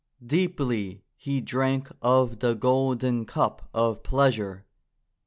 Deeply he drank of the golden cup of pleasure.